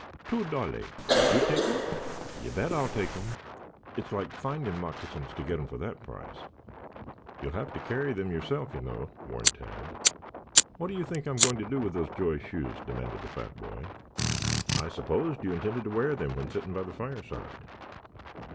"Two dolee. You take um?" "You bet I'll take um. It's like finding moccasins to get them for that price." "You will have to carry them yourself, you know," warned Tad. "What do you think I'm going to do with those joy shoes?" demanded the fat boy. "I supposed you intended to wear them when sitting by the fireside."